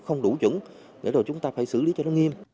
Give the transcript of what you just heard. không đủ chuẩn để rồi chúng ta phải xử lý cho nó nghiêm